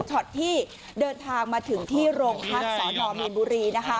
ช็อตที่เดินทางมาถึงที่โรงพักษณมีนบุรีนะคะ